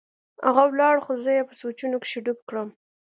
هغه ولاړ خو زه يې په سوچونو کښې ډوب کړم.